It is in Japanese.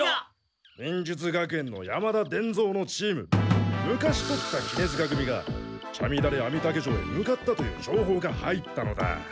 忍術学園の山田伝蔵のチーム昔取った杵柄組がチャミダレアミタケ城へ向かったという情報が入ったのだ。